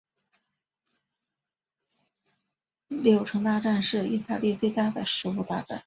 柳橙大战是义大利最大的食物大战。